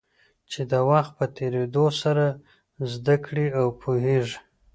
چې د وخت په تېرېدو سره زده کېږي او پوهېږې.